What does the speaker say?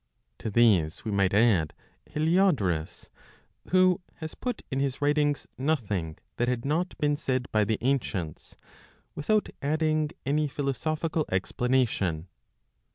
To these we might add Heliodorus, who has put in his writings nothing that had not been said by the ancients, without adding any philosophical explanation.